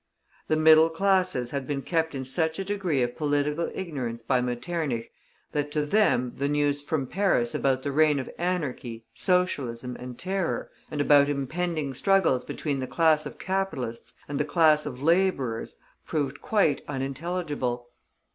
The middle classes had been kept in such a degree of political ignorance by Metternich that to them the news from Paris about the reign of Anarchy, Socialism, and terror, and about impending struggles between the class of capitalists and the class of laborers, proved quite unintelligible.